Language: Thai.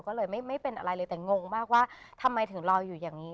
ก็เลยไม่เป็นอะไรเลยแต่งงมากว่าทำไมถึงรออยู่อย่างนี้